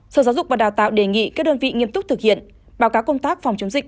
sở giáo dục và đào tạo đề nghị các đơn vị nghiêm túc thực hiện báo cáo công tác phòng chống dịch